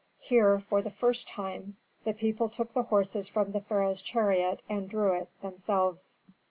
Here, for the first time, the people took the horses from the pharaoh's chariot and drew it themselves.